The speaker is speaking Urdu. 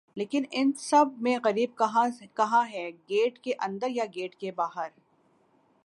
لیکن ان سب میں غریب کہاں ہے گیٹ کے اندر یا گیٹ کے باہر